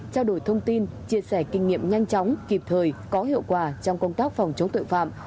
trao đổi thông tin chia sẻ kinh nghiệm nhanh chóng kịp thời có hiệu quả trong công tác phòng chống tội phạm